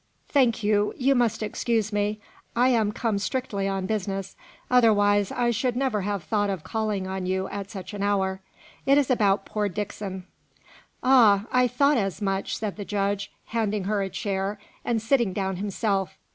"Thank you, you must excuse me. I am come strictly on business, otherwise I should never have thought of calling on you at such an hour. It is about poor Dixon." "Ah! I thought as much!" said the judge, handing her a chair, and sitting down himself.